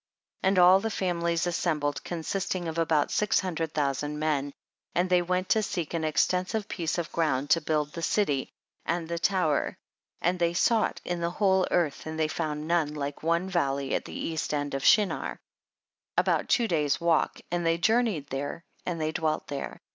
23. And all the families assembkjd consisting of about six hundred thousand men, and they went to seek an extensive piece of ground to build the city and the tower, and they sought in the whole earth and they found none hke one valley at the east of the land of Shinar, about two days' walk, and they journeyed there and they dwelt there.